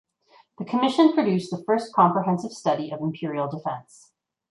The Commission produced "the first comprehensive study of Imperial defence".